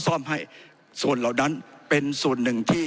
ผมจะขออนุญาตให้ท่านอาจารย์วิทยุซึ่งรู้เรื่องกฎหมายดีเป็นผู้ชี้แจงนะครับ